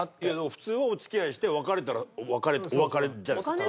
普通はお付き合いして別れたらお別れじゃないですか。